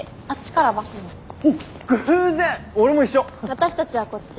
私たちはこっち。